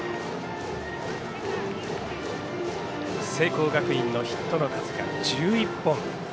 聖光学院のヒットの数が１１本。